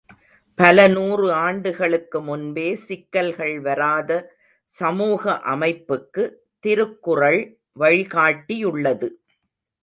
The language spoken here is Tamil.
பல நூறு ஆண்டுகளுக்கு முன்பே சிக்கல்கள் வராத சமூக அமைப்புக்கு, திருக்குறள் வழி காட்டியுள்ளது.